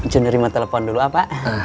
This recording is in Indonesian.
cuma terima telepon dulu ah pak